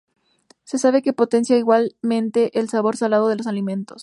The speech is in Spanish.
Se sabe que potencia igualmente el sabor salado de los alimentos.